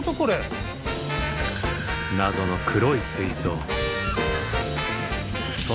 謎の黒い水槽。